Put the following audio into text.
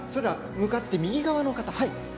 向かって右側の方。